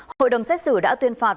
hội đồng xét xử đã tuyên phạt